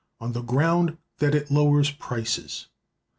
—on the ground that it lowers prices.